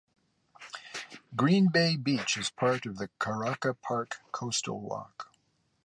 Green Bay beach is part of the Karaka Park coastal walk.